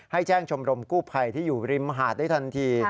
ให้แจ้งชมรมกู้ภัยที่อยู่ริมหาดได้ทันที